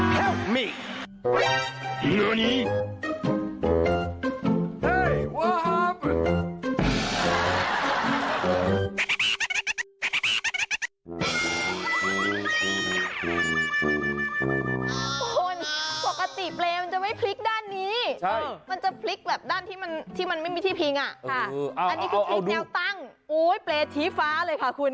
เฮ้ยมันเกิดอะไรขึ้น